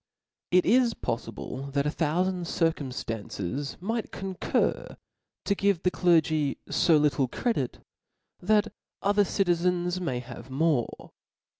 It is poflible that a thouTand circumftances might concur to give the clergy fo littJe credit, that other citizens may have more.